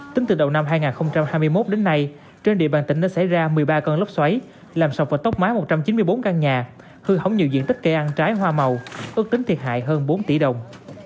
tính từ đầu năm hai nghìn hai mươi một đến nay trên địa bàn tỉnh đã xảy ra một mươi ba cơn lốc xoáy làm sập và tốc mái một trăm chín mươi bốn căn nhà hư hỏng nhiều diện tích cây ăn trái hoa màu ước tính thiệt hại hơn bốn tỷ đồng